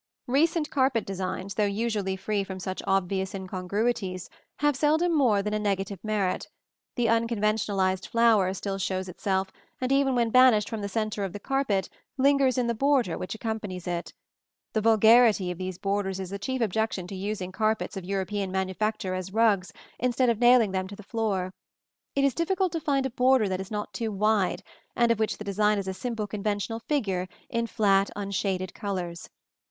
Recent carpet designs, though usually free from such obvious incongruities, have seldom more than a negative merit. The unconventionalized flower still shows itself, and even when banished from the centre of the carpet lingers in the border which accompanies it. The vulgarity of these borders is the chief objection to using carpets of European manufacture as rugs, instead of nailing them to the floor. It is difficult to find a border that is not too wide, and of which the design is a simple conventional figure in flat unshaded colors.